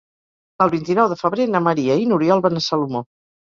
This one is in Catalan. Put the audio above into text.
El vint-i-nou de febrer na Maria i n'Oriol van a Salomó.